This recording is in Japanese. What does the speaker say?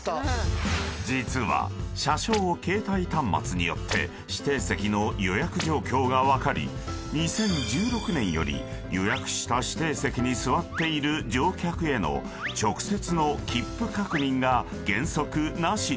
［実は車掌携帯端末によって指定席の予約状況が分かり２０１６年より予約した指定席に座っている乗客への直接のきっぷ確認が原則なしに］